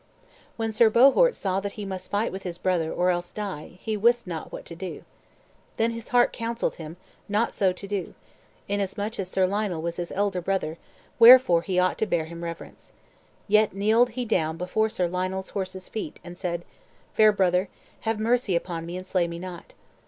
When Sir Bohort saw that he must fight with his brother or else die, he wist not what to do. Then his heart counselled him not so to do, inasmuch as Sir Lionel was his elder brother, wherefore he ought to bear him reverence. Yet kneeled he down before Sir Lionel's horse's feet, and said, "Fair brother, have mercy upon me and slay me not."